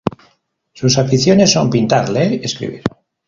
Sus aficiones son pintar, leer y escribir.